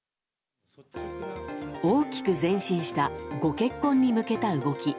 大きく前進したご結婚に向けた動き。